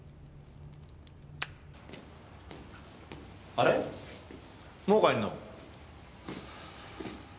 あれもう帰るの？